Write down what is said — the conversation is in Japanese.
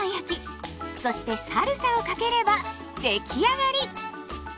そしてサルサをかければ出来上がり。